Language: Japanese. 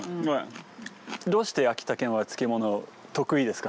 どうして秋田県は漬物得意ですか？